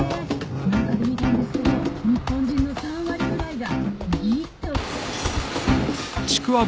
「何かで見たんですけど日本人の３割ぐらいが」